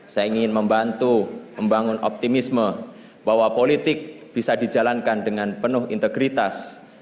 saya ingin membantu membangun optimisme bahwa politik bisa dijalankan dengan penuh integritas